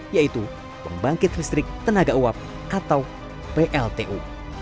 yaitu pembangkit listrik tenaga uap atau pltu